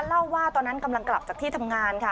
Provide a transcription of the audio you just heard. เล่าว่าตอนนั้นกำลังกลับจากที่ทำงานค่ะ